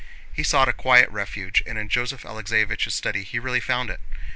He sought a quiet refuge, and in Joseph Alexéevich's study he really found it.